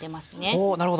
おなるほど。